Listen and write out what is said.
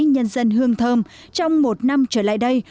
nhân dân hương thơm trong một năm trở lại đây